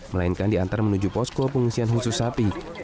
melainkan diantar menuju posko pengungsian khusus sapi